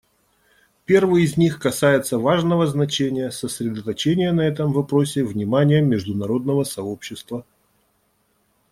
Первый из них касается важного значения сосредоточения на этом вопросе внимания международного сообщества.